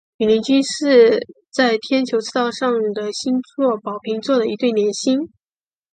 羽林军一是在天球赤道上的星座宝瓶座的一对联星。